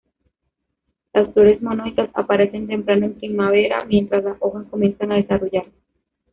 Las flores monoicas aparecen temprano en primavera mientras las hojas comienzan a desarrollarse.